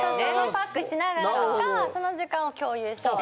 パックしながらとかその時間を共有して。